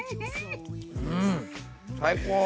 うん！最高！